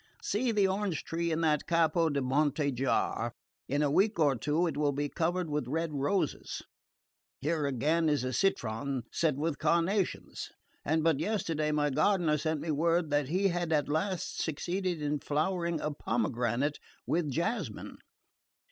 See the orange tree in that Capo di Monte jar: in a week or two it will be covered with red roses. Here again is a citron set with carnations; and but yesterday my gardener sent me word that he had at last succeeded in flowering a pomegranate with jasmine.